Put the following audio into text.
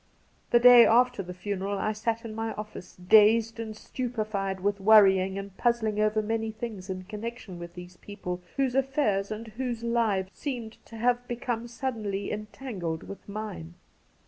The day after the funeral I sat in my office dazed and stupefied with worrying and puzzling over many things in connection with these people whose affairs and whose lives seemed to have become Suddenly entangled with mine.